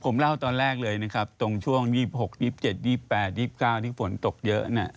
ผมเล่าตอนแรกเลยนะครับตรงช่วง๒๖๒๗๒๘๒๙ที่ฝนตกเยอะเนี่ย